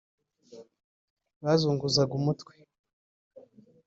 bazunguzaga umutwe